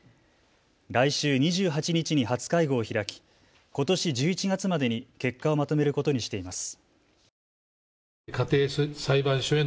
来週２８日に初会合を開きことし１１月までに結果をまとめることにしています。